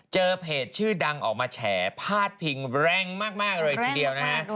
เจอเพจชื่อดังออกมาแฉพาดพิงแรงมากเลยทีเดียวนะฮะ